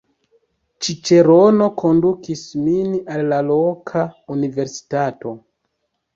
Ĉiĉerono kondukis min al la loka universitato.